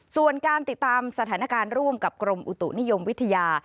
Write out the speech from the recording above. ส่วนการติดตามสถานการณ์ร่วมกับกรมอุตุนิยมวิทยา